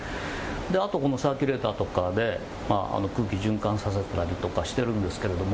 あとサーキュレーターとかで空気を循環させたりとかしてるんですけども。